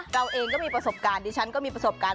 เราเองก็มีประสบการณ์ดิฉันก็มีประสบการณ์